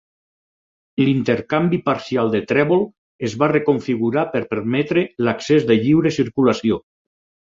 L"intercanvi parcial de trèvol es va reconfigurar per permetre l"accés de lliure circulació.